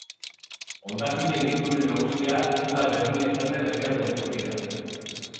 Hondakinen iturri nagusia ez da berdina izaten herrialde guztietan.